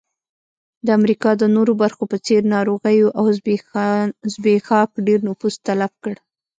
د امریکا د نورو برخو په څېر ناروغیو او زبېښاک ډېر نفوس تلف کړ.